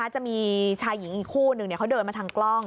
จะมีชายหญิงอีกคู่หนึ่งเขาเดินมาทางกล้อง